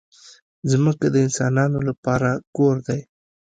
ځمکه د انسانانو لپاره کور دی.